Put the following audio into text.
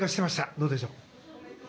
どうでしょう？